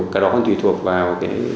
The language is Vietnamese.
cái đó còn tùy thuộc vào